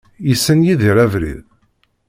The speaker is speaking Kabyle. Yessen Yidir abrid?